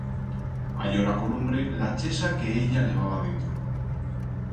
Allora columbré la chesa que ella levaba dentro.